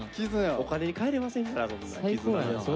お金にかえられませんから。